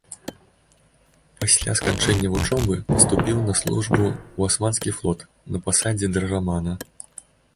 Пасля заканчэння вучобы паступіў на службу ў асманскі флот на пасадзе драгамана.